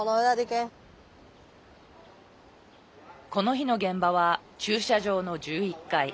この日の現場は駐車場の１１階。